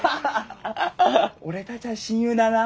俺たちゃ親友だな。